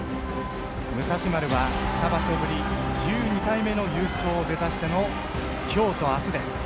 武蔵丸は２場所ぶり１２回目の優勝を目指しての今日と明日です。